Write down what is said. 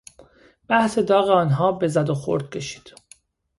بحث داغ آنها به زد و خورد کشید.